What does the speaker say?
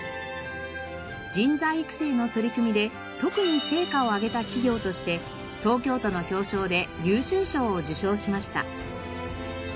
人材育成の取り組みで特に成果を上げた企業として東京都の表彰で優秀賞を受賞しました。